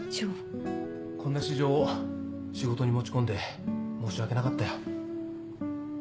こんな私情を仕事に持ち込んで申し訳なかったよ。